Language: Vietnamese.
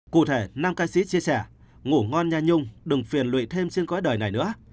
cụ thể nam ca sĩ chia sẻ ngủ ngon nha nhung đừng phiền lụy thêm trên cõi đời này nữa